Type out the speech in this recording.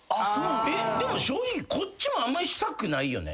えっでも正直こっちもあんまりしたくないよね。